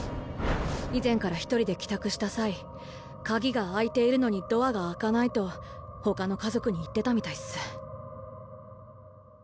以前から一人で帰宅した際「鍵が開いているのにドアが開かない」とほかの家族に言ってたみたいっす。